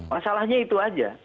masalahnya itu aja